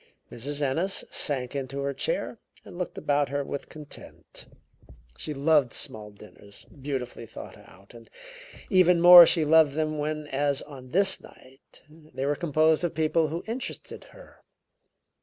Mrs. Ennis sank into her chair and looked about her with content. She loved small dinners beautifully thought out, and even more she loved them when, as on this night, they were composed of people who interested her.